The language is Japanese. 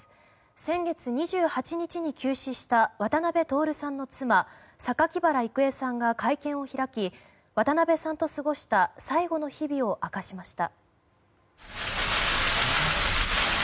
先月２８日に急死した渡辺徹さんの妻・榊原郁恵さんが会見を開き渡辺さんと過ごした最後の日々を明かしました。